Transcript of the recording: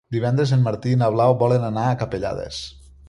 Divendres en Martí i na Blau volen anar a Capellades.